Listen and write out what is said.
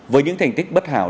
với những thành tích bất hảo